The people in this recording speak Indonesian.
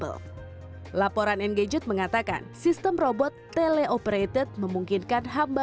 lalu dilakukan pengaturan tampilan online mengund pinggirlio hovering terus di lantai